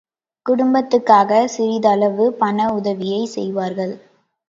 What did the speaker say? குடும்பத்துக்காக சிறிதளவு பணஉதவியைச் செய்வார்கள்.